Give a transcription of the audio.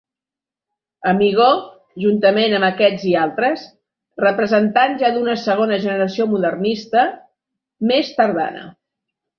Amigó, juntament amb aquests i altres, representant ja d'una segona generació modernista, més tardana.